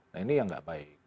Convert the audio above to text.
nah ini yang nggak baik